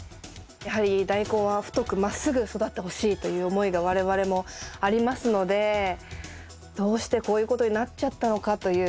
やはりダイコンは太くまっすぐ育ってほしいという思いが我々もありますのでどうしてこういうことになっちゃったのかという。